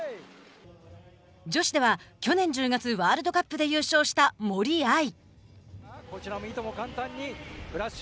女子では去年１０月ワールドカップで優勝した森秋彩。